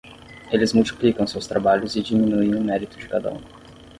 Eles multiplicam seus trabalhos e diminuem o mérito de cada um.